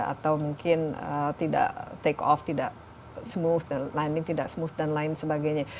atau mungkin tidak take off tidak smooth linding tidak smooth dan lain sebagainya